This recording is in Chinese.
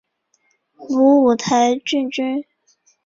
母五台郡君。